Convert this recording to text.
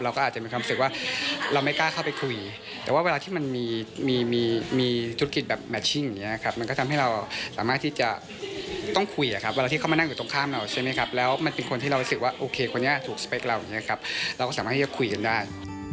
เราก็สามารถให้เข้าคุยกันได้